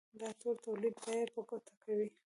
دا ټول د تولید بیه په ګوته کوي